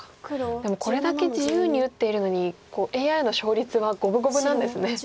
でもこれだけ自由に打っているのにＡＩの勝率は五分五分なんですね。